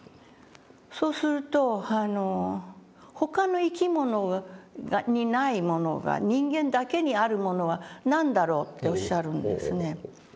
そうすると「他の生き物にないものが人間だけにあるものは何だろう？」っておっしゃるんですね。